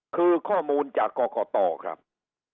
คือข้อมูลจากกรกตครับ